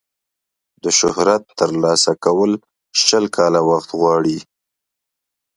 د شهرت ترلاسه کول شل کاله وخت غواړي.